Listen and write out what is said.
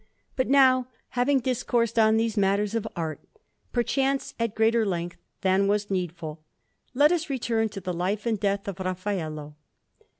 But now, having discoursed on these matters of art, perchance at greater length than was needful, let us return to the life and death of Raffaello.